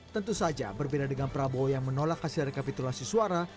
tentu saja berbeda dengan prabowo yang menolak hasil rekapitulasi suara